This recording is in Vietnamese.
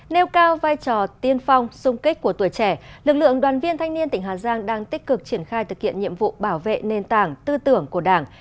nêu cao vai trò tiên phong sung kích của tuổi trẻ lực lượng đoàn viên thanh niên tỉnh hà giang đang tích cực triển khai thực hiện nhiệm vụ bảo vệ nền tảng tư tưởng của đảng